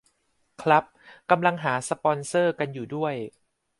ครับ กำลังหาสปอนเซอร์กันอยู่ด้วย